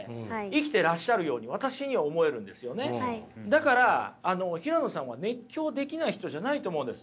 だからあの平野さんは熱狂できない人じゃないと思うんです。